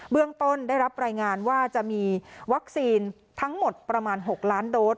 เรื่องต้นได้รับรายงานว่าจะมีวัคซีนทั้งหมดประมาณ๖ล้านโดส